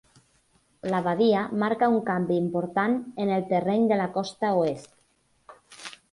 La badia marca un canvi important en el terreny de la costa oest.